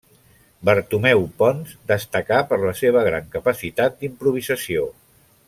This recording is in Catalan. Bartomeu Pons destacà per la seva gran capacitat d'improvisació.